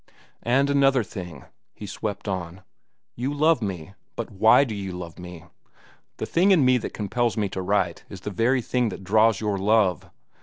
"And another thing," he swept on. "You love me. But why do you love me? The thing in me that compels me to write is the very thing that draws your love.